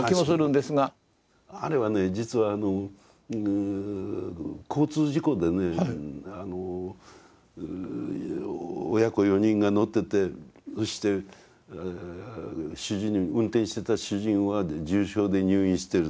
あれはね実は交通事故でね親子４人が乗っててそして運転してた主人は重傷で入院してると。